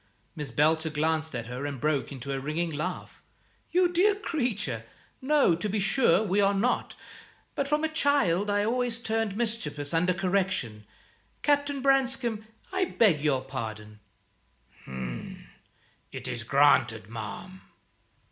Miss Belcher glanced at her and broke into a ringing laugh. "You dear creature! No, to be sure, we are not; but from a child I always turned mischievous under correction. Captain Branscome, I beg your pardon." "It is granted, ma'am."